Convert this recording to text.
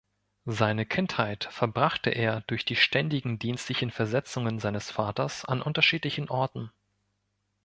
Seine Kindheit verbrachte er durch die ständigen dienstlichen Versetzungen seines Vaters an unterschiedlichen Orten.